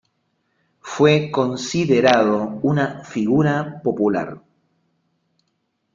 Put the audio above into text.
Fue considerado una figura popular.